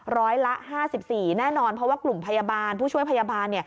ร้อยละ๕๔แน่นอนเพราะว่ากลุ่มพยาบาลผู้ช่วยพยาบาล